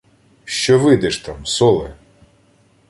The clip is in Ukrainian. — Що видиш там, соле?